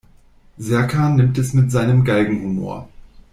Serkan nimmt es mit seinem Galgenhumor.